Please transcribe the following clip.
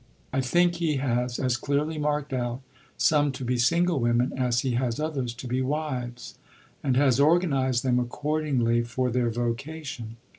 I think He has as clearly marked out some to be single women as He has others to be wives, and has organized them accordingly for their vocation.